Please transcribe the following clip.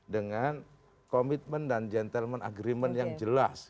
dengan komitmen dan gentleman agreement yang jelas